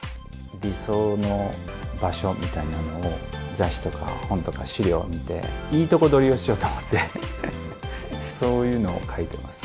理想の場所みたいなのを雑誌とか本とか、資料を見て、いいとこ取りをしようと思って、そういうのを描いてます。